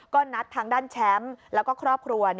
ก็นัดทางด้านแชมป์แล้วก็ครอบครัว